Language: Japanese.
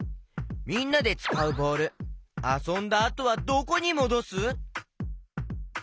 みんなでつかうボールあそんだあとはどこにもどす？